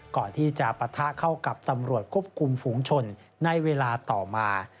ก่อนที่จะปะทะเข้ากับตำรวจควบคุมฝูงชนในเวลาต่อมา